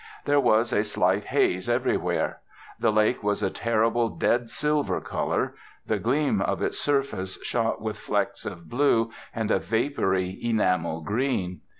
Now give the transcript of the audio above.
There was a slight haze everywhere. The lake was a terrible dead silver colour, the gleam of its surface shot with flecks of blue and a vapoury enamel green.